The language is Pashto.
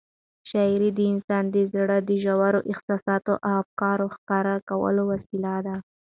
شاعري د انسان د زړه د ژورو احساساتو او افکارو ښکاره کولو وسیله ده.